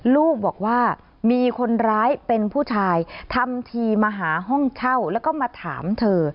ลูกบอกว่ามีคนร้ายเป็นผู้ชายทำทีมาหาห้องเช่าแล้วก็มาถามเธอ